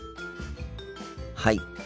はい。